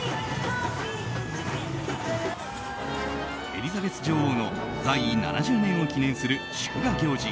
エリザベス女王の在位７０年を記念する祝賀行事